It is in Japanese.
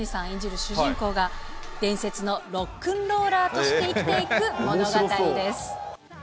演じる主人公が、伝説のロックンローラーとして生きていく物語です。